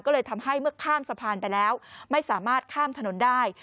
ก็เลยทำให้เมื่อข้ามสะพานไปแล้วไม่สามารถข้ามถนนได้